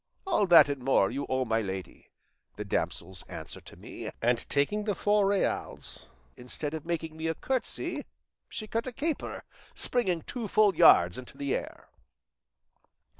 'All that and more, you owe my lady,' the damsel's answer to me, and taking the four reals, instead of making me a curtsey she cut a caper, springing two full yards into the air."